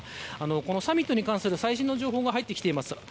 このサミットに関する最新の情報が入ってきています。